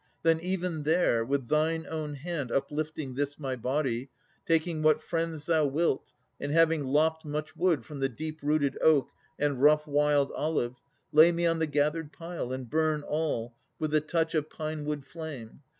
Then even there, With thine own hand uplifting this my body, Taking what friends thou wilt, and having lopped Much wood from the deep rooted oak and rough Wild olive, lay me on the gathered pile, And burn all with the touch of pine wood flame.